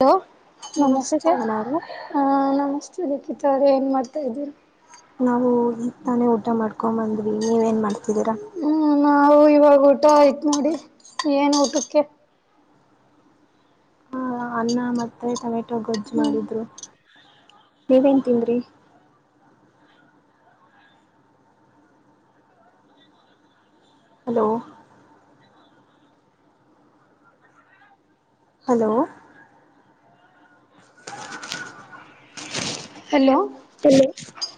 Hello ನಮಸ್ತೆ ಸಹನ ಅವರೇ ಹ ನಮಸ್ತೆ ಲಿಖಿತಾ ಅವ್ರೇ ಏನ್ ಮಾಡ್ತಾ ಇದ್ದೀರಿ ನಾವು ತಾನೇ ಊಟ ಮಾಡ್ ಹಕೊ್ ಬಂದ್ಿ ನೀವೇನ್ ಮಾಡತ ಹ್ಮ್ ನಾವು ಇವಾಗ ಊಟೋ ಆಯ್ತ್ ನೋಡಿ ಏನ್ ಊಟಕ್ಕೆ ಹಾ ಅನ್ನ ಮತ್ತೆ ಟಮಟ ಗೊಜ್ಜು ಹ್ಮ್ ಮಾಡಿದ್ರು ನೀವೇನ್ ತಿಂದ್ರಿ hello hello hello [unintelligible] hello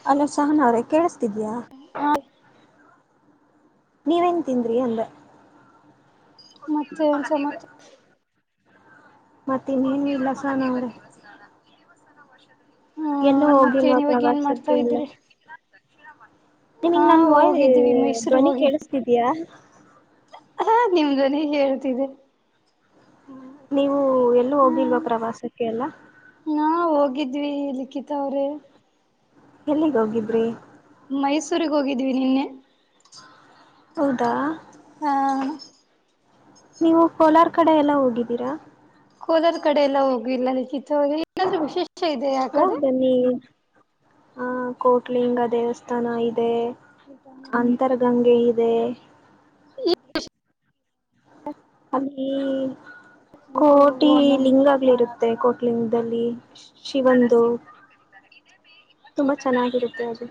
hello Sahana ಅವರೇ ಕೇಳಿಸ್ತಿಧೀಯಾ ಹಾ ನೀವೇನ್ ತಿಂದ್ರಿ ಅಂದೇ ಮತ್ತೆ ಏನ್ ಸಮಾಚಾರ ಮತ್ತೆನ್ನುನು ಇಲ್ಲ ಸಹನಾ ಅವರೇ ಹ ಎಲ್ಲೂ ಹೋಗಿಲ್ವಾ ಮತ್ತೇನ್ ಇವಾಗ ಏನ್ ಪ್ರವಾಸಕ್ಕೆ ಮಾಡ್ತಾ ಎಲ್ಲ ಇದ್ರಿ [unintelligible] ನಿಮಗ್ ಹಾ ನನ್ ಹೋಗಿದ್ದೀವಿ ಧ್ವನಿ ಕೇಳಿಸತಿದಯಾ ಹಾ ನಿಮ್ ಧ್ವನಿ ಕೇಳ್ತಿದೆ ನೀ ವು ಎಲ್ಲೂ ಹ್ಮ್ ಹೋಗಿಲ್ವಾ ಪ್ರವಾಸಕ್ಕೆ ಎಲ್ಲ ನಾ ಹೋಗಿದ್ವಿ ಲಿಖಿತ ಅವ್ರೇ ಎಲ್ಲಿಗೆ ಹೋಗಿದ್ರಿ ಮೈಸೂರಿಗೆ ಹೋಗಿದ್ದೀವಿ ನಿನ್ನೆ. ಹೌದಾ. ಹ. ನೀವು ಕೋಲಾರ್ ಕಡೆ ಎಲ್ಲ ಹೋಗಿದ್ದೀರಾ. ಕೋಲಾರ ಕಡೆ ಎಲ್ಲ ಹೋಗಿಲ್ಲ ಲಿಖಿತ ಅವ್ರೆ ಏನಾದ್ರು ವಿಶೇಶಾ ಹೋಗ್ ಬನ್ನಿ. ಹ ಕೋಟ್ಲಿಂಗ ದೇವಸ್ಥಾನ ಇದೆ ಅಂತರ್ಗಂಗೆ ಇದೆ. ಅಲ್ಲಿ ಕೋಟಿ ಲಿಂಗಗಳು ಇರುತ್ತೆ ಕೋಟಿ ಲಿಂಗದಲ್ಲಿ. ಶಿವಂದು. ತುಂಬಾ ಚೆನ್ನಾಗಿರುತ್ತೆ ಅದು.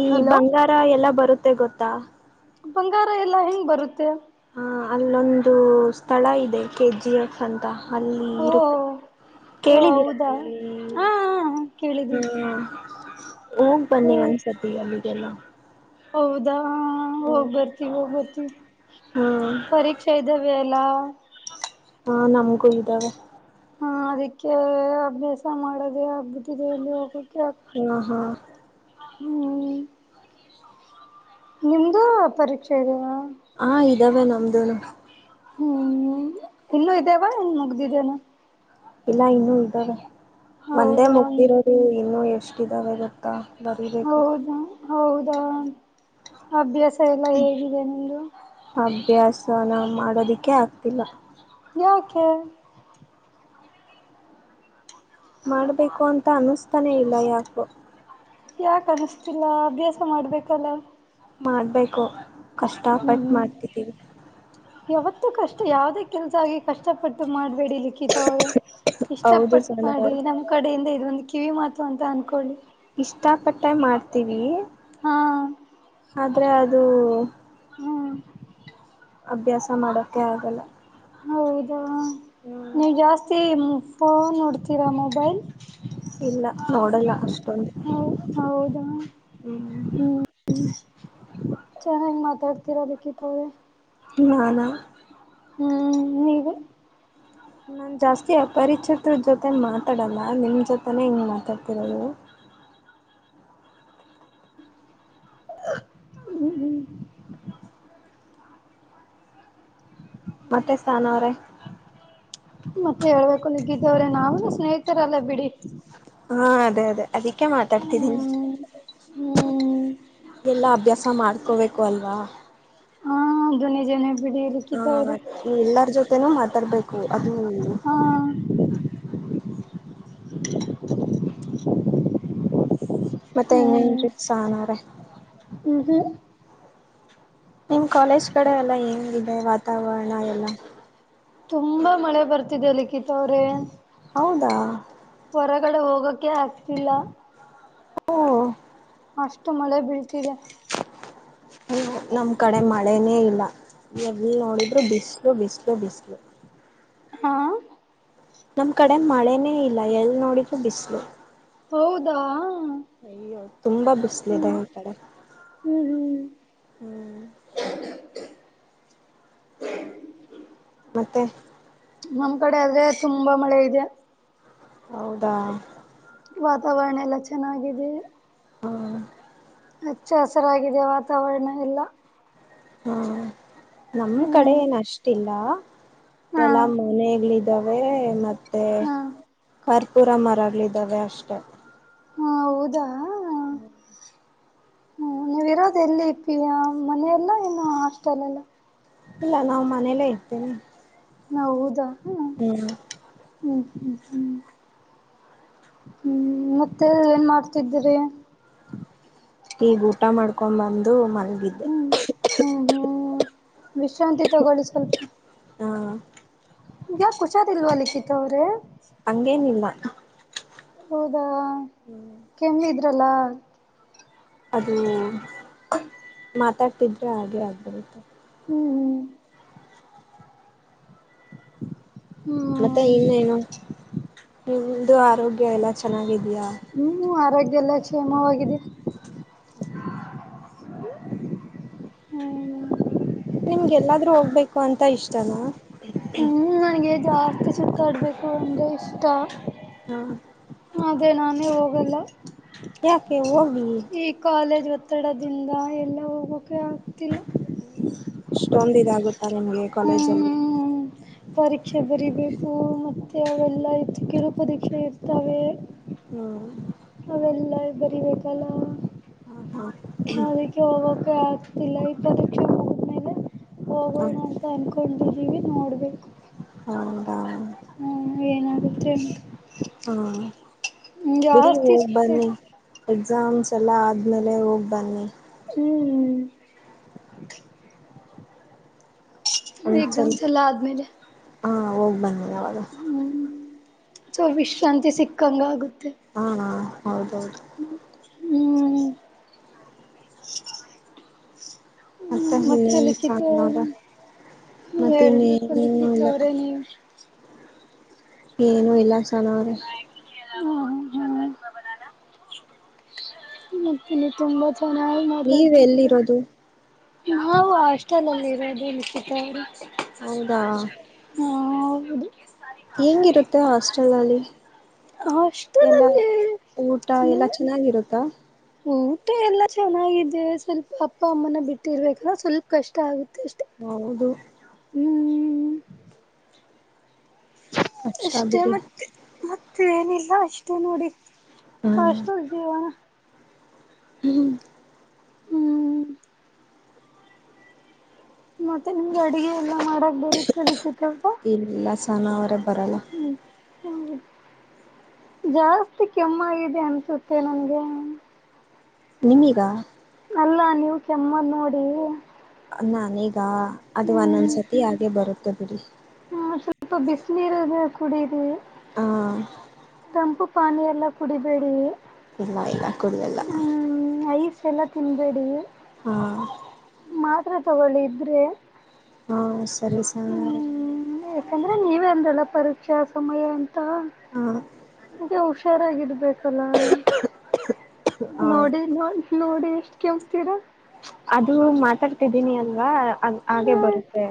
ಈ ಹಲೋ ಬಂಗಾರ ಎಲ್ಲಾ ಬರುತ್ತ. ಗೊತ್ತಾ. ಬಂಗಾರ ಎಲ್ಲಾ ಹೆಂಗ್ ಬರುತ್ತೆ. ಹ ಅಲ್ಲೊಂದು ಸ್ಥಳ ಇದೆ ಕೆ ಜಿ ಎಫ್ ಅಂತ. ಅಲ್ಲಿ ಓ ಇರುತ್ತೆ ಓ ಕೇಳಿದೀರಾ ಹೌದಾ ಇಲ್ಲಿ ಹಾ ಕೇಳಿದೀವಿ ಹ್ಮ ಹೋಗ್ ಓ ಬನ್ನಿ ಒಂದ್ಸತಿ ಅಲ್ಲಿ. ಎಲ್ಲ. ಹೌದಾ. ಹ್ಮ ಹೋಗ್ ಬರ್ತಿವಿ ಹೋಗ್ಬರ್ತಿವಿ ಹಾ ಪರೀಕ್ಷಾ ಇದ್ದಾವೆ. ಅಲ್ಲ. ಹಾ ನಮ್ಗೂ ಇದ್ದಾವೆ. ಹ ಅದಕ್ಕೆ ಅಭ್ಯಾಸ ಮಾಡೋದೇ ಆಗ್ಬ. [unintelligible] ಎಲ್ಲು ಹೋಗಕೆ ಆಗ. ಹಾ ಹಾ ಹ್ಮ. ನಿಮ್ದು ಪರೀಕ್ಷೆ ಇದೆಯ. ಹಾ. ಇದಾವೇ ನಮ್ದನು. ಹ್ಮ್ ಇನ್ನುೂ ಇದೇವಾ ಇನ್ ಮುಗ್ದಿದ್ದೇನ. ಇಲ್ಲ ಇನ್ನುೂ ಇದ್ದಾವೆ. ಒಂದೆ ಹೌದಾ ಮುಗ್ದಿರೋದು ಇನ್ನು ಎಷ್ಟು. ಎಸ್ಟಿದವೆ ಗೊತ್ತಾ. ಬರಿಬೇಕು ಹೌದಾ ಹೌದಾ. ಅಭ್ಯಾಸ. ಎಲ್ಲ ಹೇಗಿದೆ ನಿಮ್ದು. ಅಭ್ಯಾಸನ ಮಾಡೋದಕ್ಕೆೇ ಆಗ್ತಿಲ್ಲ. ಯಾಕೆ. ಮಾಡ್ಬೇಕು ಅಂತ ಅನ್ನಿಸ್ತಾನೆ ಇಲ್ಲ ಯಾಕೊ. ಯಾಕ ಅನಿಸ್ತಿಲ್ಲ ಅಭ್ಯಾಸ ಮಾಡ್ಬೇಕಲ್ಲ. ಮಾಡ್ಬೇಕು. ಕಷ್ಟಪಟ್ಟು ಮಾಡ್ತಿದ್ದೀವಿ. ಯಾವತ್ತು ಕಷ್ಟ ಯಾವದೇ ಕೆಲ್ಸ ಆಗಿ ಕಷ್ಟಪಟ್ಟು ಮಾಡಬೇಡಿ ಲಿಖಿತ ಅವ್ರೆ ಹೌದು ಇಷ್ಟಪಟ್ಟ ಸನ ಮಾಡಿ ನಮ್ ಕಡೆಯಿಂದ ಇದೊಂದು ಕಿವಿ ಮಾತು ಅಂತ ಅಂದ್ಕೊಳ್ಳಿ ಇಷ್ಟಪಟ್ಟೆ ಮಾಡ್ತೀವಿ ಹಾ ಆದರೆ ಅದು ಹಾ ಅಭ್ಯಾಸ ಮಾಡೋಕೆ ಆಗಲ್ಲ ಹೌದಾ ಹ್ಮ್ ನೀ ಜಾಸ್ತಿ ಅಪ್ಪ ನೋಡ್ತೀರಾ ಮೊಬೈಲ್ ಇಲ್ಲ ನೋಡಲ್ಲ ಅಷ್ಟೊಂದು ಹಾ ಹ್ಮ್ ಚೆನ್ನಾಗಿ ಮಾತಾಡ್ತೀರಾ ಲಿಖಿತ ಅವರೇ ನಾನ ಹ್ಮ್ ನೀವು ನಾನು ಜಾಸ್ತಿ ಅಪರಿಚಿತರ ಜೊತೆ ಮಾತಾಡಲ್ಲ ನಿಮ್ಮ ಜೊತೆನೆೇ ಹಿಂಗೆ ಮಾತಾಡ್ತಿರೋದು ಹ್ಮ ಹ್ಮ ಮತ್ತೆ ಸ್ಥಾನ ಅವ್ರ ಮತ್ತೆ ಹೇಳ್ಬೇಕು ಲಿಖಿತ ಅವರೇ ನಾವ ಸ್ನೇಹಿತರಲ್ಲ ಬಿಡಿ ಹಾ ಅದೇ ಅದಕ್ಕೆ ಮಾತಾಡ್ತಿದೀನಿ ಹ್ಮ್ ಹ್ಮ್ ಎಲ್ಲ ಅಭ್ಯಾಸ ಮಾಡ್ಕೋಬೇಕ ಕೊಲ್ವಾ ಹ ದೂನಿ ಜನ ಬಿಡಿ ಲಿಖಿತ ಹಾ ಅವ್ರೆ ಎಲ್ಲರ ಜೊತೆೇನೂ ಮಾತಾಡ್ಬೇಕು ಅದು ಹಾ [unintelligible] ಮತ್ತೆ ಇನ್ನೇನ್ ಹ್ಮ್ ರಿ ಸನಾ ಅವ್ರೆ ಹ್ಮ್ ಹ್ಮ್ ನಿಮ್ ಕಾಲೇಜ್ ಕಡೆ ಎಲ್ಲ ಹೆಂಗಿದೆ ವಾತಾವರಣ ಎಲ್ಲ ತುಂಬಾ ಮಳೆ ಬರ್ತಿದೆ ಲಿಖಿತ ಅವ್ರೇ ಹೌದಾ ಹೊರಗಡೆ ಹೋಗಕೆ ಆಗ್ತಿಲ್ಲ ಹ ಓ ಅಷ್ಟು ಮಳೆ ಬೀಳ್ತಿದೆ ಹ್ಮ ನಮ್ ಕಡೆ ಮಳೆನೇ ಇಲ್ಲ ಎಲ್ ನೋಡಿದ್ರು ಬಿಸಲು ಬಿಸ್ಲು ಬಿಸ್ಲು ಹಾ ನಮ್ ಕಡೆ ಮಳೆನೇ ಇಲ್ಲ ಎಲ್ ನೋಡಿದ್ರು ಬಿಸ್ಲು ಹೌದಾ ಅಯ್ಯೋ ತುಂಬಾ ಬಿಸಲಿದೆ ಹ್ಮ್ ಈ ಕಡೆ ಹ್ಮ್ ಹ್ಮ್ ಹ್ಮ್ [unintelligible] ಮತ್ತೆ ನಮ್ ಕಡೆ ಆದ್ರೆ ತುಂಬಾ ಮಳೆ ಇದೆ ಹೌದಾ ವಾತಾವರಣ ಎಲ್ಲ ಚೆನ್ನಾಗಿದೆ ಹ್ಮ ಹಚ್ಚು ಹಸರಾಗಿದೆ ವಾತಾವರಣ ಎಲ್ಲ ಹ್ಮ ನಮ್ ಕಡೆ ಹ್ಮ್ ಏನ ಅಷ್ಟಿಲ್ಲ ಹಾ [unintelligible] ಮನೆಗ್ಲಿ, [unintelligible] ಮತ್ತು, ಹಾ ಕರ್. [unintelligible] ಪೂರ ಮರಗಳು ಇವೆ ಅಷ್ಟೇ. ಹಾ ಹೌದಾ. ಹ್ಮ ಹ್ಮ, ನೀವಿ ಇರೋದು ಎಲ್ಲಿ ಪ, [unintelligible] ಮನೆಯಲ್ಲ ಇನ್ನು ಹಾಸ್ಟೆಲ್ ಎಲ್ಲ. ಇಲ್ಲ, ನಾವು ಮನೇಲ್ಲೇ ಇರ್ತೀನಿ. ಹೌದಾ. ಹ್ಮ್ ಹ್ಮ್ ಹ್ಮ್ ಹ್ಮ್ ಹ್ಮ್, ಮತ್ತೆ ಏನ್ ಮಾಡ್ತಿದ್ದೀರಿ. ಈಗ, ಊಟ ಮಾಡ್ಕೊಂಡ್ ಬಂದು ಮ ಹ್ಮ್ ಹ್ಮ್ ಹ್ಮ್ [unintelligible] ವಿಶ್ರಾಂತಿ ತಗೊಳ್ಳಿ ಸ್ವಲ್ಪ. ಹಾ [unintelligible] ನಿಮಗೆ ಯಾಕೆ ಹುಷಾರಿಲ್ವಾ ಲಿಖಿತ್ ಅವ್ರೆ. ಹಂಗೇನಿಲ್ಲ, [unintelligible] ಹೌದಾ, ಹ್ಮ್ ಕೆಮ್ಮ ಇದೆ. ಚಲಾಗ [unintelligible] ಅದು ಮಾತಾಡ್ತಿದ್ರೆ ಹಾಗೆ ಆಗ್ಬರುತ್ತೆ ಹ್ಮ್ ಹ್ಮ್ ಮತ್ತೆ ಇನ್ನೇನು ನಿಮ್ದ ಆರೋಗ್ಯ ಎಲ್ಲ ಚೆನ್ನಾಗಿ ಹ್ಮ್ ಆರೋಗ್ಯ ಇದೆಲ್ಲಾ ಕ್ಷೇಮವಾಗಿದೆ [unintelligible] ಹ್ಮ್ಮ್ ನಿಮ್ಗೆಲ್ಲಾದ್ರೂ ಹೋಗ್ಬೇಕು ಅಂತ ಇಷ್ಟನಾ ಹ್ಮ್ ನನಗೆ ಜಾ ಅಸ ಕಡಬೇಕು ಅಂದ್ರೆ ಇಷ್ಟ ಹಾ ಅದೇ ನಾನೇ ಹೋಗಲ್ಲ ಯಾಕೆ ಹೋಗಿ ಈ ಕಾಲೇಜ್ ಒತ್ತಡದಿಂದ ಎಲ್ಲ ಹೋಗೂ ೆ ಆಗ್ತಿಲ್ಲ ನಿಮಗೆ ಕಾಲೇಜಲ್ಲಿ ಹ್ಮ್ ಪರೀಕ್ಷೆ ಬರೀಬೇಕು ಮತ್ತೆ ಅವೆಲ್ಲ ಇತ್ತು ಕೆಲ ಪರೀಕ್ಷೆ ಇರ್ತವೆ ಹ್ಮ್ ಅವೆಲ್ಲ ಬರಿಬೇಕಲ್ಲ ಹಾ ಅದಕ್ಕೆ ಹೋಗ ಸಿಲ ಈ ಪ್ರದಕ್ಷ ಮೇಲೆ ಹ ಹೋಗೋಣ ಅಂತ ಅನ್ಕೊಂಡು ಗ ನೋಡಬೇಕು ಹ್ಮ ಹ್ಮ ಏನಾಗುತ್ತೆ ಬಿಡ ಹ ಜಾಸ್ತಿ ಸುತ್ತೆ ಬನ್ನಿ ಎಕ್ಸಾಮ್ಸ್ ಎಲ್ಲ ಆದಮೇಲೆ ಹೋಗಿ ಬನ್ನಿ ಹ್ಮ್ ಒಂದ್ಸಲ ಎಕ್ಸಾಮ್ಸ್ ಎಲ್ಲಾ ಆದ ಮೇಲೆ ಹಾ ಹೋಗ್ ಬನ್ನಿ ಯಾವಾಗ ಸೊ ವಿಶ್ರಾಂತಿ ಸಿಕ್ಕಂಗ ಆಗುತ್ತೆ ಹಾ ಹೌದ ಹ್ಮ್ ಹ್ಮ ಮತ್ತ ಮತ್ತೆ ಇನ್ನೇನ್ ಲಿಖಿತ ಚ ನೀವ್ ಮತ್ತೆ ಹೇಳ್ಬೇಕು ಇನ್ನೇನು ಲಿಖಿತ ಇಲ್ಲ ಅವ್ರೇ ನೀವು ಏನುೂ ಇಲ್ಲ ಸನ ಅವ್ರೆ ಹ ಹ್ಮ ಮತ್ತ ತುಂಬಾ ಚೆನ್ನಾಗಿ ನೀವ್ ಮಾತಾಡ್ತಿದ್ದೀರಾ ಎಲ್ಲಿರೋದು ನಾವಾ ಅಷ್ಟೇ ಎಲ್ಲಿರೋದು ಲಿಖಿತ ಅವರೇ ಹೌದಾ ಹ್ಮ ಹೆಂಗಿರುತ್ತೆ ಹಾಸ್ಟೆಲ್ ನಲ್ಲಿ ಹಾಸ್ಟೆಲ್ ಎಲ್ಲ ಅಲ್ಲಿ ಊಟ ಅಂದ್ರೆ ಎಲ್ಲ ಚೆನ್ನಾಗಿರುತ್ತ ಊಟ ಎಲ್ಲ ಚೆನ್ನಾಗಿದೆ ಸ್ವಲ್ಪ ಅಪ್ಪ ಅಮ್ಮನ ಬಿಟ್ಟಿರ್ಬೇಕ ಸ್ವಲ್ಪ ಕಷ್ಟ ಆಗುತ್ತೆ ಅಷ್ಟೆ ಹೌದು ಹ್ಮ್ ಕಷ್ಟ ಅಷ್ಟೇ ಬಿಡಿ ಮತ್ತೆ ಮತ್ತೆ ಏನಿಲ್ಲ ಅಷ್ಟೇ ನೋಡಿ ಹಾಸ್ಟೆಲ್ [unintelligible] ಹ್ಮ್ ಹ್ಮ್ ಮತ್ತೆ ನಿಮ್ಗೆ ಅಡಗೆ ಎಲ್ಲ ಮಾಡಕ್ ಬರತ್ತ [unintelligible] ಇಲ್ಲ ಸನ ಅವರೇ ಬರಲ್ಲ [unintelligible] ಯಾರ ಮತ್ತೆ ಕೆಮ್ಮಾಗಿದೆ ಅನ್ಸುತ್ತೆ ನಂಗೆ ನಿಮೀಗಾ ಅಲ್ಲಾ ನೀವು ಕೆಮ್ಮದ್ ನೋಡಿ ನನಿಗ್ ಅ ಅದು ಹ್ಮ್ ಒಂದೊಂದ್ಸತಿ ಹಾಗೆ ಬರುತ್ತೆ [unintelligible] ಅ ಸ್ವಲ್ಪ ಬಿಸಿನೀರು ಇದೆ ಕುಡಿರಿ ಹ ತಂಪು ಪಾನಿ ಎಲ್ಲ ಕುಡಿಬೇಡಿ ಇಲ್ಲ ಇಲ್ಲ ಕುಡಿಯಲ್ಲ ಹ್ಮ ಐಸ್ ಎಲ್ಲ ತಿನ್ಬೇಡಿ ಹಾ ಮಾತ್ರೆ ತಗೊಳ್ಳಿ ಇದ್ರೆ ಹಾ ಸರಿ ಸನ ಅವರೇ ಹ್ಮ್ ಯಾಕಂದ್ರೆ ನೀವ ಅಂದ್ರಲ್ಲ ಪರೀಕ್ಷಾ ಸಮಯ ಹ ಹಗೆ ಹುಷಾರಾಗಿರ್ಬೇಕಲ್ಲ ಹ ನೋಡಿ ನೋಡಿ ಎಷ್ಟ ಕೆಮ್ಮತಿರ ಅದು ಮತ್ತ ಮಾತಡ್ತಿದ್ದೀನಿ ಅಲ್ವಾ ಹಾಗೆ ಬರುತ್ತೆ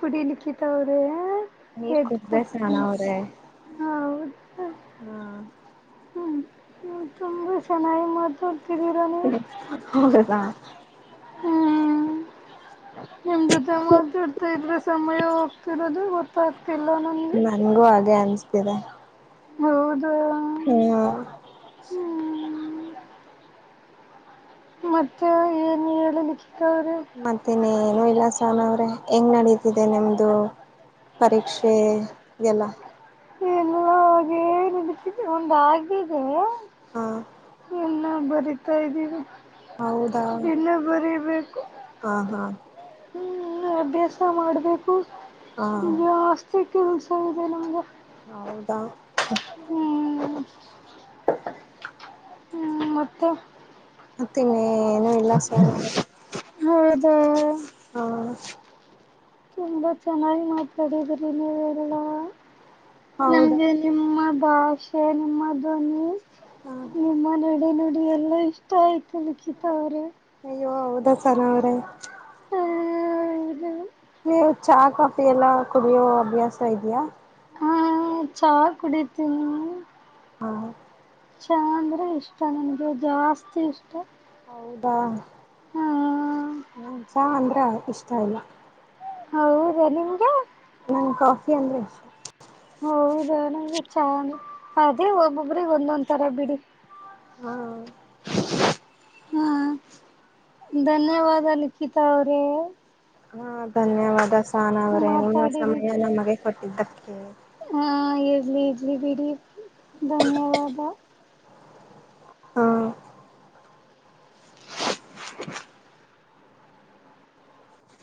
ಕುಡಿಲಿಿಕ್ಕಿತ ಅವ್ರ ನೀರ್ ಎದ್ದು ಕುಡ್ದೆ ಸ್ನಾನ ಕೂತ್ಕೋ ಅವ್ರೆ ಹಾ ಹೌದ ಹಾ ಹ್ಮ್ ನೀವ್ ತುಂಬ ಚೆನ್ನಾಗಿ [unintelligible] ನೀವು ಹ ಹೌದಾ ಹ್ಮ್ ನಿಮ್ ಜೊತೆ ಮಾತಾಡ್ತಾ ಇದ್ರೆ ಸಮಯ ಹೋಗ್ತಿರೋದು ಗೊತ್ತಾಗ್ತಿಲ್ಲ ನಂಗೆ ನನ್ಗೂ [unintelligible] ಹೌದು ಹ್ಮ ಮತ್ತೆ ಏನ ಹೇಳ್ [unintelligible] ನಾನು ಇಲ್ಲ ಸಾನ ಅವ್ರೆ ಹೆಂಗ್ ನಡೀತಿದೆ ನಿಮ್ದು ಪರೀಕ್ಷೆ ಎಲ್ಲ ಎಲ್ಲ ಹಾಗೆ ನಡೀತಿದೆ ಒಂದಾಗಿದೆ ಹಾ ಇನ್ನ ಬರಿತಾ ಇದ್ದೀವಿ ಹೌದಾ ಇನ್ನು ಬರೀಬೇಕು ಹಾ ಹಾ ಅಭ್ಯಾಸ ಮಾಡಬೇಕು ಹಾ ಕೆಲಸ ಇದೆ ನನಗೆ ಹೌದಾ ಹ್ಮ್ ಹ್ಮ ಮತ್ತುತ್ತೆ ಮತ್ತೆ ಹೌದ ಹಾ ತುಂಬಾ ಚೆನ್ನಾಗಿ ಮಾತಾಡಿದ್ರಿ ನೀಲ್ಲ ಹೌದಾ ನಮ್ಗೆ ನಿಮ್ಮ ಭಾಷೆನ್ ಮಧನಿ ಹಾ ನಿಮ್ಮ ನಡೆ ನೋ [unintelligible] ಹ್ಮ್ ಇಷ್ಟ ಆಯ್ತು ಲಿಖಿತಾ ಅವ್ರೆ ಹ್ಮ್ ಸನಾ ಅವರೆ ಇದು ನೀವು ಚಾ ಕಾಫಿ ಎಲ್ಲ ಕುಡಿಯೋ ಅಭ್ಯಾಸ ಇದೆಯಾ ಹ ಚಾ ಕುಡಿತೀನಿ ಹಾ ಚಾ ಅಂದ್ರೆ ಇಷ್ಟ ನನ್ಗ ಜಾಸ್ತಿ ಇಷ್ಟ ಹೌದಾ ನಂಗ್ ಚಾ ಅಂದ್ರ ಇಷ್ಟ ಇಲ್ಲ ಹೌದ ನಿಮಗೆ ನಂಗ್ ಕಾಫಿ ಅಂದ್ರ ಇಷ್ಟ ಹೌದ ನಂಗ್ ಚಾನೆ ಅದೇ ಒಬ್ಬೊಬ್ರಿಗ್ ಒಂದೊಂದ್ ತರ ಬಿಡಿ ಹಾ ಹಾ ಧನ್ಯವಾದ ಲಿಖಿತ ಅವ್ರೇ ಹಾ ಧನ್ಯವಾದ ತಾನ ಅವ್ರೇ ನಿನ್ನ ಸಮಯ ಮಾತಾಡಿದಕ್ಕೆ ನಮಗೆ ಕೊಟ್ಟಿದ್ದಕ್ಕೆ ಇ್ಜ್ ಬಿಿ ಧನ್ಯವಾದಾಗ ಹಾ [unintelligible]